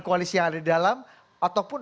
koalisi yang ada di dalam ataupun